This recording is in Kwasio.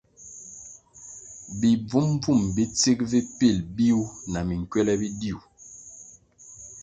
Bi bvum-bvum bi tsig vi pil biwuh na minkywele biduih.